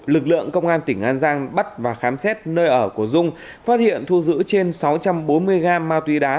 lực lượng công an tỉnh an giang bắt và khám xét nơi ở của dung phát hiện thu giữ trên sáu trăm bốn mươi gram ma túy đá